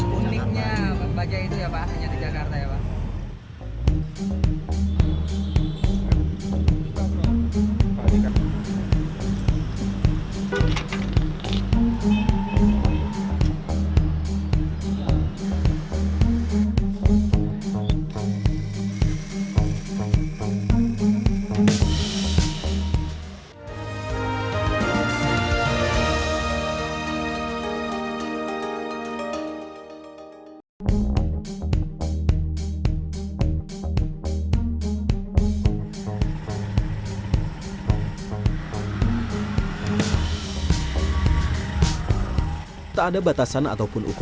menikmati bajai itu ya pak